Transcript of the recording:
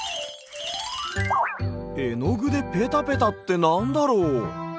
えのぐでペタペタってなんだろう？